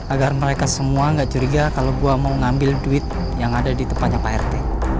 agar mereka semua gak curiga kalau gue mau ngambil duit yang ada di tempatnya pak rt